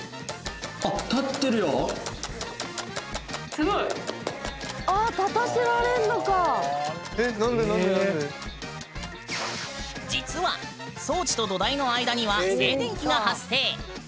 すごい！実は装置と土台の間には静電気が発生。